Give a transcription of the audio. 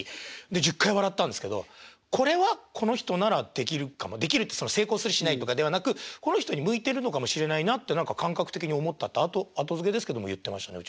で１０回笑ったんですけどこれはこの人ならできるかもできるって成功するしないとかではなくこの人に向いてるのかもしれないなって何か感覚的に思ったって後づけですけども言ってましたね。